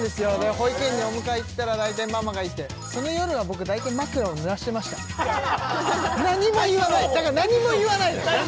保育園にお迎え行ったら大体ママがいいってその夜は僕大体枕をぬらしてました何も言わないだから何も言わない